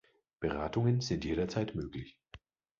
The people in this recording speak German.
Beratungen sind jederzeit möglich.